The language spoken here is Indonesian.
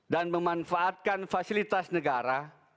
dan memanfaatkan fasilitas negara